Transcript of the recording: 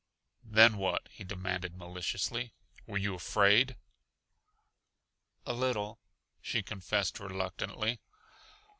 "Then what?" he demanded maliciously. "Were you afraid?" "A little," she confessed reluctantly.